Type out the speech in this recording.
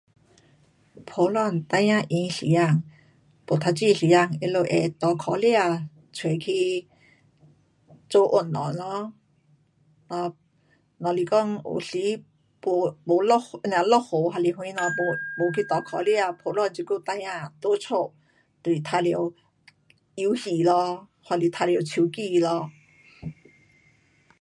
普通孩儿闲时间，没读书时间他们会搭脚车出去做运动咯，若，若是讲有时没，没落，不是啊，落雨什还是么没去搭脚车，普通自己孩儿在家就是玩耍游戏咯，还是玩耍手机咯。